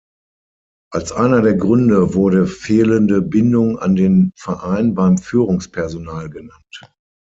Als einer der Gründe wurde fehlende Bindung an den Verein beim Führungspersonal genannt.